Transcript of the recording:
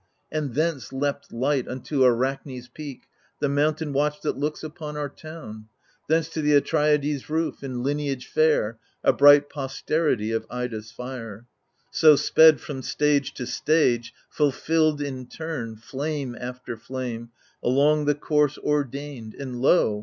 And thence leapt light unto Arachne's peak. The mountain watch that looks upon our town. Thence to th' Atrides' roof — in lineage fair, A bright posterity of Ida's fire. So sped from stage to stage, fulfilled in turn, Flame after flame, along the course ordained. And lo